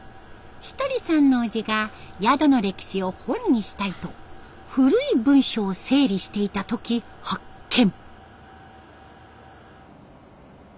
志鳥さんの叔父が宿の歴史を本にしたいと古い文書を整理していた時発見。